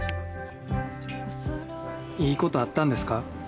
いいことあったんですか？